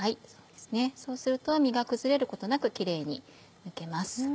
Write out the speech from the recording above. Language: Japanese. そうすると身が崩れることなくキレイに抜けます。